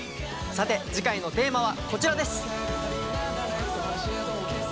さて次回のテーマはこちらです。